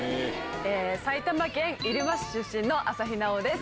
埼玉県入間市出身の朝日奈央です。